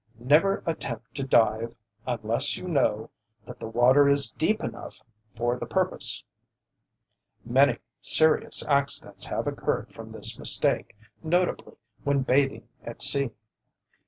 Never attempt to dive unless you know that the water is deep enough for the purpose. Many serious accidents have occurred from this mistake, notably when bathing at sea.